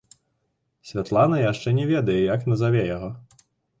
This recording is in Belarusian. Святлана яшчэ не ведае, як назаве яго.